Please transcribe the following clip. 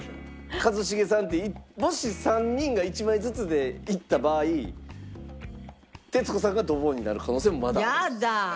一茂さんってもし３人が１枚ずつでいった場合徹子さんがドボンになる可能性もまだ。